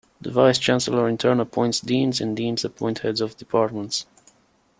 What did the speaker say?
The Vice Chancellor in turn appoints deans and deans appoint heads of departments.